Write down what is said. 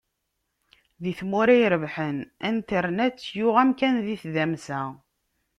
Di tmura irebḥen, internet yuɣ amkan di tdamsa.